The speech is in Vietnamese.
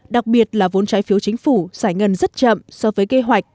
đặc biệt là vốn trái phiếu chính phủ giải ngân rất chậm so với kế hoạch